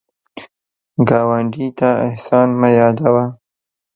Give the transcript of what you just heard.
ګاونډي ته احسان مه یادوه